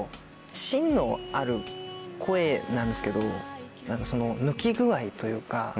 しんのある声なんですけど抜き具合というか。